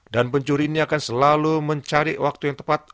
dan pencuri ini akan selalu mencari waktu yang tepat